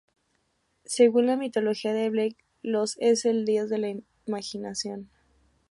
Según la mitología de Blake, Los es el dios de la imaginación.